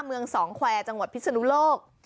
เมืองสองแควร์จังหวัดพิศนุโลก